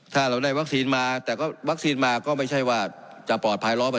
ถ้าเราได้วัคซีนมาแต่ก็วัคซีนมาก็ไม่ใช่ว่าจะปลอดภัย๑๐๐